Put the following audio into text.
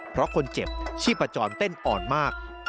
เพราะคนเจ็บชีพจรเต้นอ่อนมาก